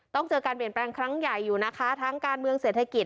ต้องเจอการเปลี่ยนแปลงครั้งใหญ่อยู่นะคะทั้งการเมืองเศรษฐกิจ